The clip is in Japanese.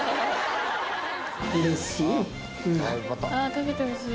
食べてほしい。